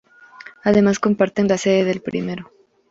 Además comparten la sede del primero.